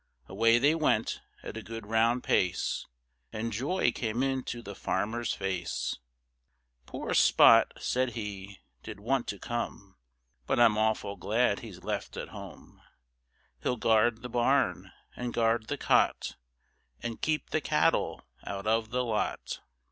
Away they went at a good round pace And joy came into the farmer's face, "Poor Spot," said he, "did want to come, But I'm awful glad he's left at home He'll guard the barn, and guard the cot, And keep the cattle out of the lot."